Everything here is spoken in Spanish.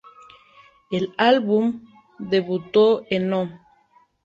El álbum debutó en No.